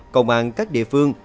công an các địa phương